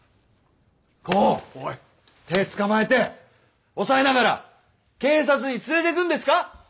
こう手捕まえて押さえながら警察に連れてくんですか？